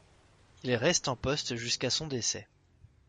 Il reste en poste jusqu'à son décès.